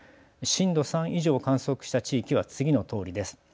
震度３以上を観測した地域は次のとおりです。